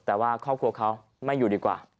แต่ว่าครอบครัวเขาไม่อยู่ดีกว่า